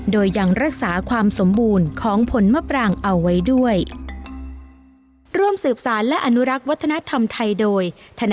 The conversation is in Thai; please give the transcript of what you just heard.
โดยยังรักษาความสมบูรณ์ของผลมะปรางเอาไว้ด้วย